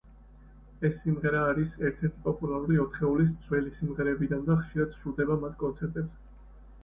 ეს სიმღერა არის ერთ-ერთი პოპულარული ოთხეულის ძველი სიმღერებიდან და ხშირად სრულდება მათ კონცერტებზე.